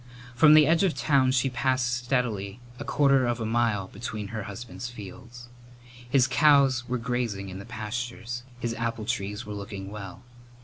From the edge of town she passed steadily a quarter of a mile between her husband's fields. His cows were grazing in the pastures. His apple trees were looking well.